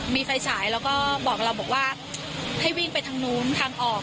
มีไฟฉายแล้วก็บอกเราบอกว่าให้วิ่งไปทางนู้นทางออก